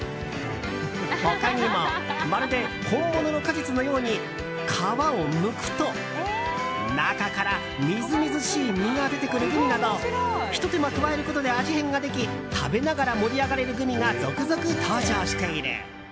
他にもまるで本物の果実のように皮をむくと、中からみずみずしい実が出てくるグミなどひと手間加えることで味変ができ食べながら盛り上がれるグミが続々登場している。